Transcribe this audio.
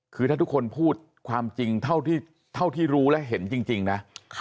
คือถ้าทุกคนพูดความจริงเท่าที่รู้และเห็นจริงนะ